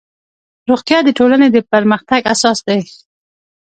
روغتیا د ټولنې د پرمختګ اساس دی